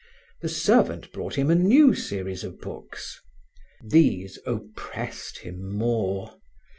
The servant brought him a new series of books. These oppressed him more.